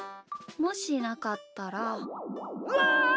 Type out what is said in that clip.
もしなかったら。わ！